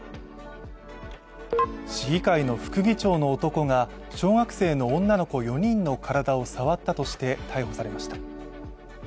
市議会の副議長の男が小学生の女の子４人の体を触ったとして逮捕されました。